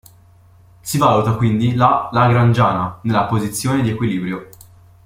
Si valuta quindi la lagrangiana nella posizione di equilibrio.